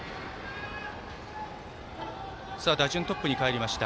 打順トップにかえりました。